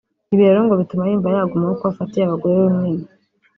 Ibi rero ngo bituma yumva yagumaho kuko afatiye abagore runini